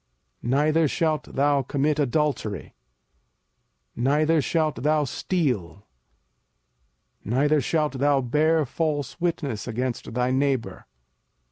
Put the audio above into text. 05:005:018 Neither shalt thou commit adultery. 05:005:019 Neither shalt thou steal. 05:005:020 Neither shalt thou bear false witness against thy neighbour.